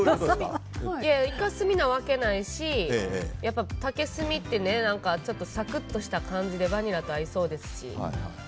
イカ墨なわけないし竹炭ってサクッとした感じでバニラと合いそうですし。